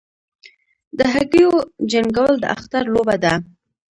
د هګیو جنګول د اختر لوبه ده.